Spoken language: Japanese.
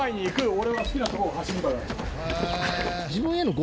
俺は好きなとこを走るから。